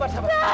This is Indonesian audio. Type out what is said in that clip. ada apa ya